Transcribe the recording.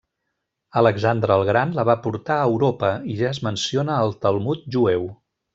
Alexandre el Gran la va portar a Europa i ja es menciona al Talmud jueu.